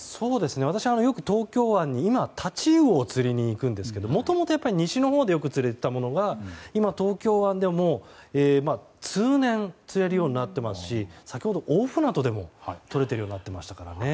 私はよく東京湾にタチウオを釣りにいきますがもともと西のほうでよく釣れていたものが今、東京湾でも通年で釣れるようになっていますし先ほど大船渡でもとれるようになっていましたからね。